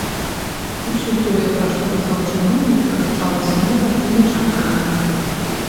Усё тое, пра што казаў чыноўнік, прагучала смела і нечакана.